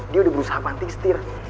dia udah berusaha pantik setir